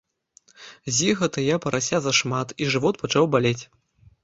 З'еў гэта я парася зашмат, і жывот пачаў балець.